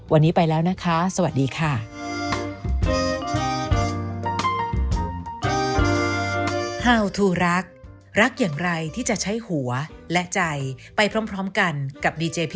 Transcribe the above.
วันนี้ไปแล้วนะคะสวัสดีค่ะ